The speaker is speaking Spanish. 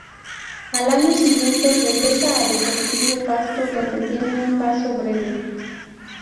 Al año siguiente regresa a Deportivo Pasto, donde tiene un paso breve.